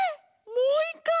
もういっかい！